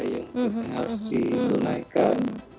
yang harus dilunaikan